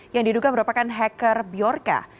yang diduga merupakan hacker bjorka